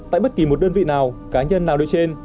tại bất kỳ một đơn vị nào cá nhân nào nói trên